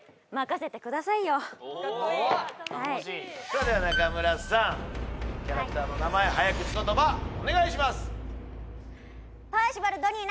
おお頼もしいさあでは中村さんキャラクターの名前早口言葉お願いします！